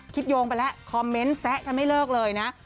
โยงไปแล้วคอมเมนต์แซะกันไม่เลิกเลยนะ